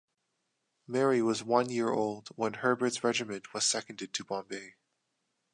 Mary was one year old when Herbertt's regiment was seconded to Bombay.